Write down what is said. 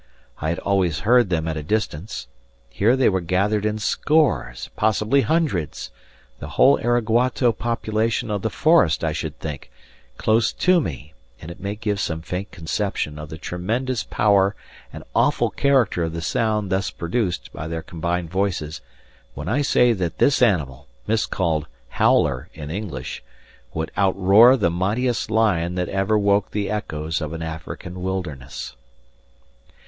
I had always heard them at a distance; here they were gathered in scores, possibly hundreds the whole araguato population of the forest, I should think close to me; and it may give some faint conception of the tremendous power and awful character of the sound thus produced by their combined voices when I say that this animal miscalled "howler" in English would outroar the mightiest lion that ever woke the echoes of an African wilderness.